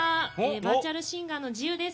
バーチャルシンガーの慈雨です。